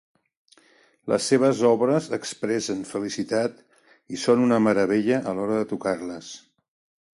Les seves obres expressen felicitat i són una meravella a l'hora de tocar-les.